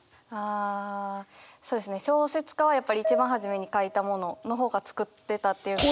あそうですね小説家はやっぱり一番初めに書いたものの方が作ってたっていうか。